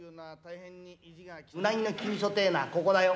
鰻の急所ってえのはここだよ。